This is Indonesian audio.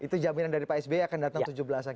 itu jaminan dari pak sby akan datang tujuh belas an